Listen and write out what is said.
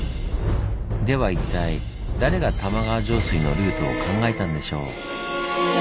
では一体誰が玉川上水のルートを考えたんでしょう？